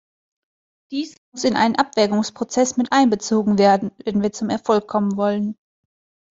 Dies muss in einen Abwägungsprozess mit einbezogen werden, wenn wir zum Erfolg kommen wollen.